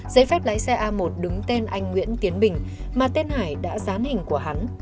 giấy phép lái xe a một đứng tên anh nguyễn tiến bình mà tên hải đã dán hình của hắn